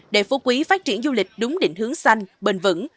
để phú quý phát triển du lịch đúng định hướng xanh bền vững